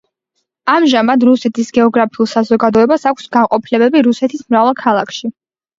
ამჟამად რუსეთის გეოგრაფიულ საზოგადოებას აქვს განყოფილებები რუსეთის მრავალ ქალაქში.